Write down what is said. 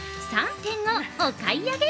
３点をお買い上げ。